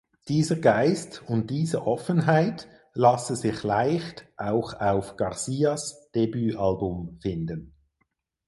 Dieser Geist und diese Offenheit lasse sich leicht auch auf Garcias Debütalbum finden.